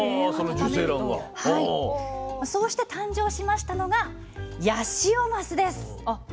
そうして誕生しましたのがヤシオマスです。